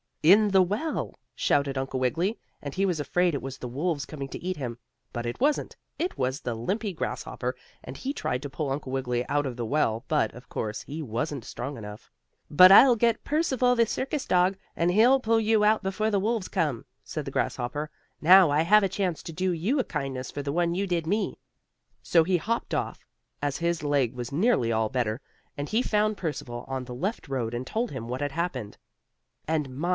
"In the well," shouted Uncle Wiggily, and he was afraid it was the wolves coming to eat him. But it wasn't, it was the limpy grasshopper, and he tried to pull Uncle Wiggily out of the well, but, of course, he wasn't strong enough. "But I'll get Percival, the circus dog, and he'll pull you out before the wolves come," said the grasshopper. "Now I have a chance to do you a kindness for the one you did me." So he hopped off, as his leg was nearly all better, and he found Percival on the left road and told him what had happened. And, my!